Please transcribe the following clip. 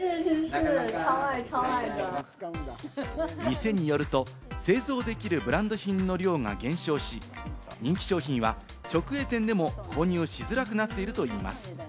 店によると、製造できるブランド品の量が減少し、人気商品は直営店でも購入しづらくなっているといいます。